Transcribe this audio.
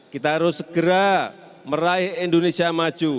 kita harus segera meraih indonesia maju